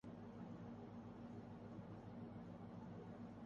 بہت ہے پایۂ گردِ رہِ حسین بلند